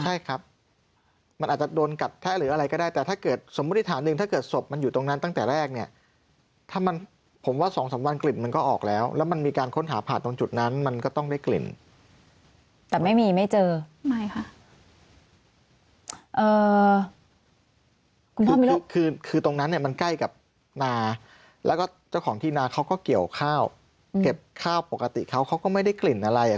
ใช่ครับมันอาจจะโดนกัดแทะหรืออะไรก็ได้แต่ถ้าเกิดสมมุติฐานนึงถ้าเกิดสมมุติฐานหนึ่งถ้าเกิดสมมุติฐานหนึ่งถ้าเกิดสมมุติฐานหนึ่งถ้าเกิดสมมุติฐานหนึ่งถ้าเกิดสมมุติฐานหนึ่งถ้าเกิดสมมุติฐานหนึ่งถ้าเกิดสมมุติฐานหนึ่งถ้าเกิดสมมุติฐานหนึ่งถ้าเกิดสมม